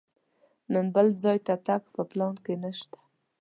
نن بل ځای ته تګ په پلان کې نه شته.